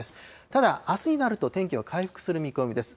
ただ、あすになると天気は回復する見込みです。